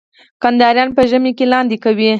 کندهاریان په ژمي کي لاندی کوي.